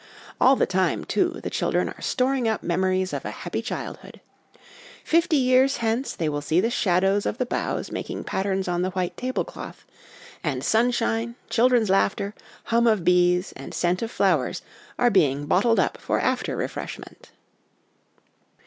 All the time, too, the children are storing up memories of a happy childhood. Fifty years hence they will see the shadows of the boughs making patterns on the white tablecloth ; and sunshine, children's laughter, hum of bees, and scent of flowers are being bottled up for after refreshment.